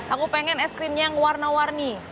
aku pengen es krimnya yang warna warni